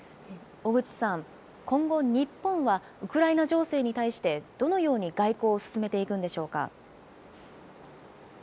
小口さん、今後、日本はウクライナ情勢に対して、どのように外交を進めていくのでしょうか。